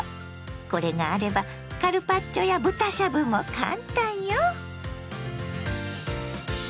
これがあればカルパッチョや豚しゃぶもカンタンよ。